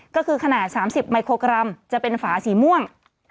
ก็คือขนาด๓๐ไมโครกรัมจะเป็นฝาสีม่วง